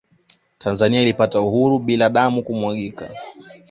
Tanzania ilipata uhuru bila damu kumwagika